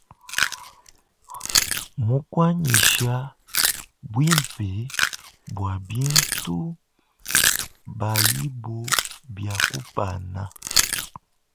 Mukuanyisha bwimpe bwa bintu baibo bia kupana.